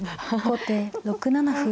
後手６七歩。